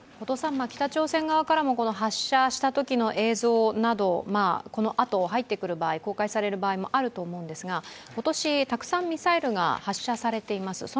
北朝鮮側からも発射したときの映像など、このあと公開される場合もあると思うんですが今年、たくさんミサイルが発射されています。